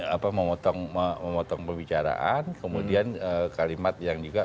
adalah ketika tanda tertibis hanya apa memotong memotong pembicaraan kemudian kalimat yang juga